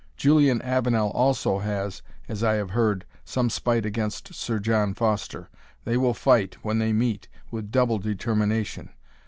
Julian Avenel also has, as I have heard, some spite against Sir John Foster; they will fight, when they meet, with double determination.